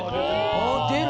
あっ出る！